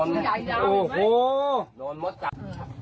นี่นอนโอ้โหนอนมดตังค์